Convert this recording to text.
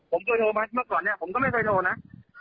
ผมเคยโทรมาก่อนผมก็ไม่เคยโทรนะ